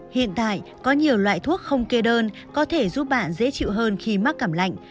hiện tại có nhiều loại thuốc không kê đơn có thể giúp bạn dễ chịu hơn khi mắc cảm lạnh